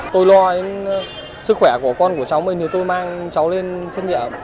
tôi lo đến sức khỏe của con của cháu mới như tôi mang cháu lên xét nghiệm